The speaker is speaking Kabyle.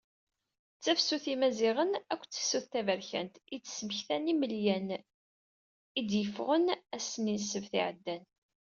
D tafsut n Yimaziɣen akked tefsut taberkant, i d-smektan yimelyan i d-yeffɣen ass-nni n ssebt iɛeddan.